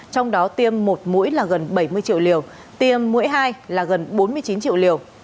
trong đó tiêm một mũi là gần bảy mươi triệu liều tiêm mũi hai là gần bốn mươi chín triệu liều